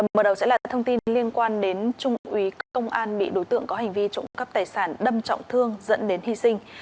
mở đầu sẽ là thông tin liên quan đến trung ủy công an bị đối tượng có hành vi trộm cắp tài sản đâm trọng thương dẫn đến hy sinh